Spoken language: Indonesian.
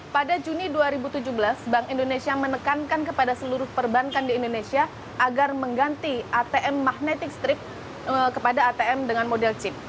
pada juni dua ribu tujuh belas bank indonesia menekankan kepada seluruh perbankan di indonesia agar mengganti atm magnetic strip kepada atm dengan model chip